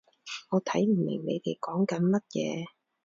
我睇唔明你哋講緊乜嘢